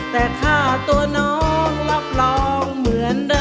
แต่ค่าตัวน้องรับรองเหมือนเดิม